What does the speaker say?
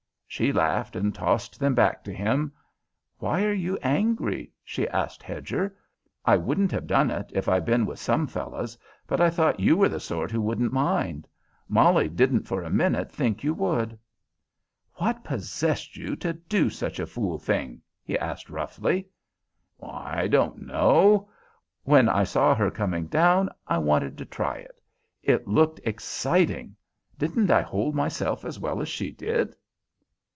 She laughed and tossed them back to him. "Why are you angry?" she asked Hedger. "I wouldn't have done it if I'd been with some fellows, but I thought you were the sort who wouldn't mind. Molly didn't for a minute think you would." "What possessed you to do such a fool thing?" he asked roughly. "I don't know. When I saw her coming down, I wanted to try it. It looked exciting. Didn't I hold myself as well as she did?"